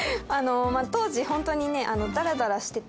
当時ホントにねダラダラしてた。